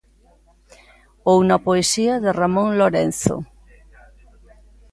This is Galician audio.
Ou na poesía de Ramón Lorenzo.